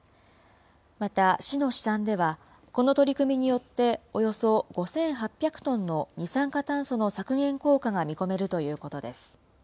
また市の試算では、この取り組みによっておよそ５８００トンの二酸化炭素の削減効果が見込めるということです。